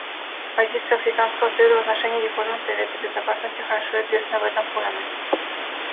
Позиция Африканского союза в отношении реформы Совета Безопасности хорошо известна в этом форуме.